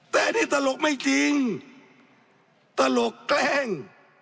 แต่ที่ตลกไม่จริงตลกแกล้ง